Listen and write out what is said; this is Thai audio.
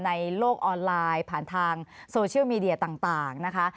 ในโลกออนไลน์ผ่านทางโซเชียลมีเดียต่างนะคะ